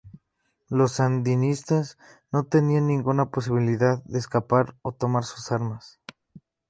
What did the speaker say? Los sandinistas no tenían ninguna posibilidad de escapar o tomar sus armas.